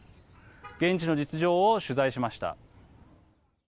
現地の実情を取材しました。